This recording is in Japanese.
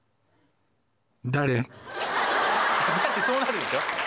「誰？」ってそうなるでしょ。